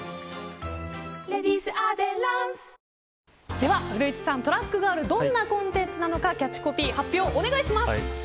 では、古市さんトラックガールどんなコンテンツなのかキャッチコピー発表お願いします。